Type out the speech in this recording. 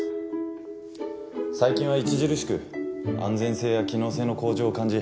最近は著しく安全性や機能性の向上を感じ。